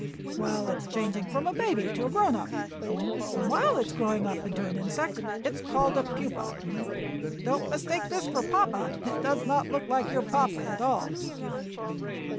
"Well, it is changing from a baby to a grown up, and while it is growing up into an insect it is called a pupa. Don't mistake this for papa it does not look like your papa at all."